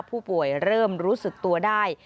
ผู้ป่วยเริ่มรู้สึกตัวได้